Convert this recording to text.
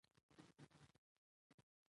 زه د اضطراب د کمولو لپاره مشغولیت لرم.